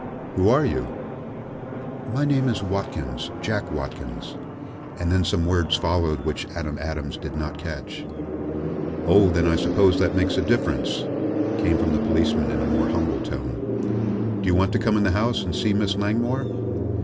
"Who are you?" "My name is Watkins Jack Watkins," and then some words followed which Adam Adams did not catch. "Oh, then I suppose that makes a difference," came from the policeman in a more humble tone. "Do you want to come in the house and see Miss Langmore?"